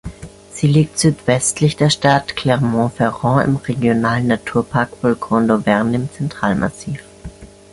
Sie liegt südwestlich der Stadt Clermont-Ferrand im Regionalen Naturpark Volcans d’Auvergne im Zentralmassiv.